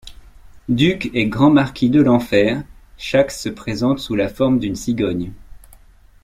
Duc et grand marquis de l'enfer, Shax se présente sous la forme d'une cigogne.